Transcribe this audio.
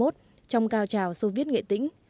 trong cao trào soviet nghệ tĩnh